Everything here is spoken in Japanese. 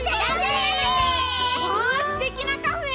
すてきなカフェ！